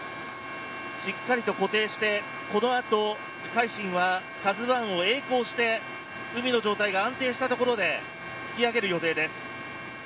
しっかりと固定してこの後、海進はＫＡＺＵ１をえい航して海の状態が安定したところで引き揚げる予定です。